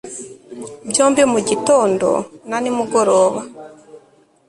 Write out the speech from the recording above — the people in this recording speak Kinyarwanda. Byombi mugitondo na nimugoroba